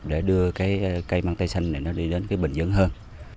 để đưa cây măng tây xanh này đi đến bình dân hơn